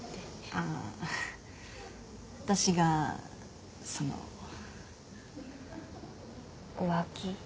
ああー私がその浮気？